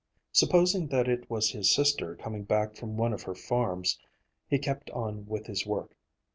Supposing that it was his sister coming back from one of her farms, he kept on with his work.